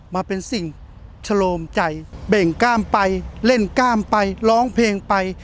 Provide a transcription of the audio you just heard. มาเป็นสิ่งชะโลมใจเบ่งกล้ามไปเล่นกล้ามไปร้องเพลงไป